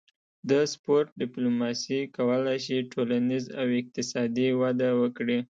د سپورت ډیپلوماسي کولی شي ټولنیز او اقتصادي وده وکړي